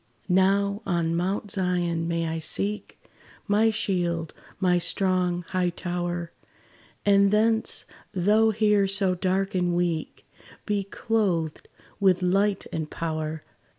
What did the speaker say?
Now on Mount Zion may I seek My shield my strong, high tower; And thence, though here so dark and weak, Be clothed with light and power.